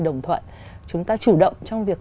đồng thuận chúng ta chủ động trong việc